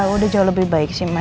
udah jauh lebih baik sih mas